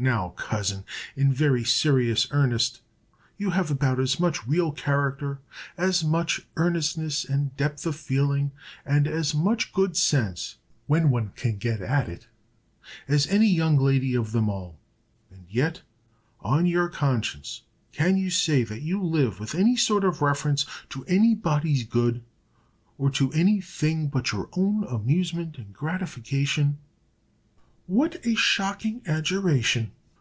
Now, cousin, in very serious earnest, you have about as much real character, as much earnestness and depth of feeling, and as much good sense, when one can get at it, as any young lady of them all; and yet, on your conscience, can you say that you live with any sort of reference to any body's good, or to any thing but your own amusement and gratification?" "What a shocking adjuration!"